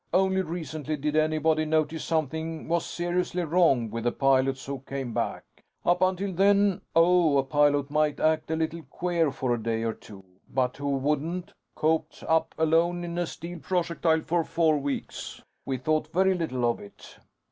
Only recently did anybody notice something was seriously wrong with the pilots who came back. Up until then ... oh, a pilot might act a little queer for a day or two. But who wouldn't, cooped up alone in a steel projectile for four weeks? We thought very little of it."